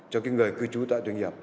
cho người cư trú tại doanh nghiệp